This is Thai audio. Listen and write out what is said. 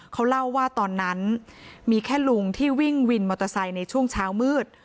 เขาเล่าว่าตอนนั้นมีแค่ลุงที่วิ่งวินมอเตอร์ไซค์ในช่วงเช้ามืด